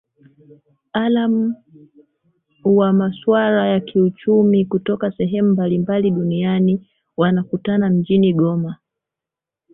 alam wa maswala ya kiuchumi kutoka sehemu mbalimbali duniani wanakutana mjini goma